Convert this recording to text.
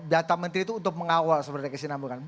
jatah menteri itu untuk mengawal sebenarnya kesinambungan